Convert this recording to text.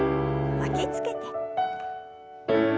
巻きつけて。